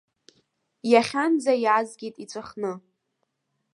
Иахьанӡа иаазгеит иҵәахны.